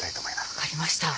分かりました。